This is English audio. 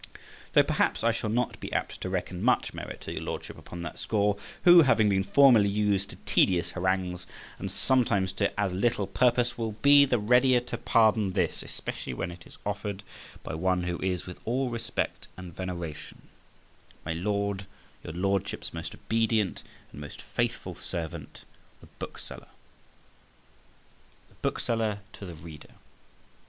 Though perhaps I shall not be apt to reckon much merit to your Lordship upon that score, who having been formerly used to tedious harangues, and sometimes to as little purpose, will be the readier to pardon this, especially when it is offered by one who is, with all respect and veneration, My LORD, Your Lordship's most obedient and most faithful Servant, THE BOOKSELLER. THE BOOKSELLER TO THE READER.